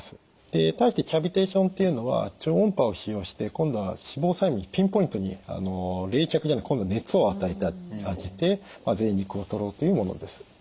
で対してキャビテーションというのは超音波を使用して今度は脂肪細胞にピンポイントに冷却じゃなくて今度は熱を与えてあげてぜい肉をとろうというものです。